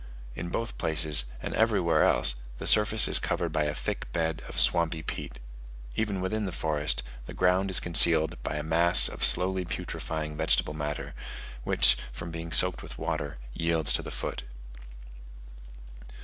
In both places, and everywhere else, the surface is covered by a thick bed of swampy peat. Even within the forest, the ground is concealed by a mass of slowly putrefying vegetable matter, which, from being soaked with water, yields to the foot.